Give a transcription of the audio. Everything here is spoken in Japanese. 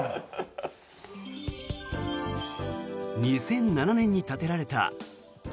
２００７年に建てられた築